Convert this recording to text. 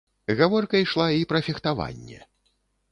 Гаворка ішла і пра фехтаванне.